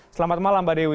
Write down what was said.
selamat malam mbak dewi